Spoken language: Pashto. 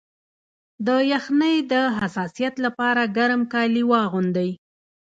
د یخنۍ د حساسیت لپاره ګرم کالي واغوندئ